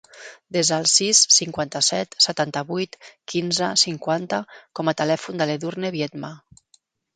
Desa el sis, cinquanta-set, setanta-vuit, quinze, cinquanta com a telèfon de l'Edurne Viedma.